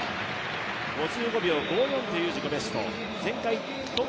５５秒５５という自己ベスト。